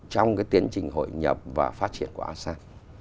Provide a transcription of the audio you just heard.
trong cái tiến trình hội nhập và phát triển của asean